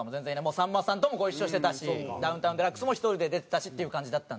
さんまさんともご一緒してたし『ダウンタウンＤＸ』も１人で出てたしっていう感じだったんで。